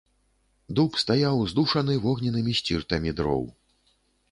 Дуб стаяў, здушаны вогненнымі сціртамі дроў.